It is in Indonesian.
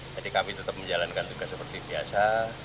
jadi kami tetap menjalankan tugas seperti biasa